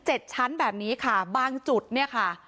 ชั้นแบบนี้ค่ะบางจุดเนี่ยค่ะ